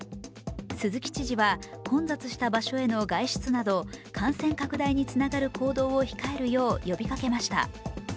鈴木知事は、混雑した場所への外出など、感染拡大につながる行動を控えるよう呼びかけました。